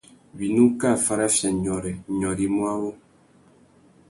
Winú kā farafia nyôrê, nyôrê i mú awô.